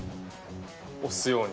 おすように。